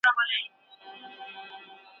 هغوی به خپل کاروبار ته د پای ټکی کېږدي.